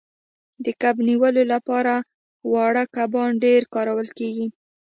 د کب نیولو لپاره واړه کبان ډیر کارول کیږي